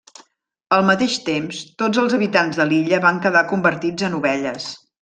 Al mateix temps, tots els habitants de l'illa van quedar convertits en ovelles.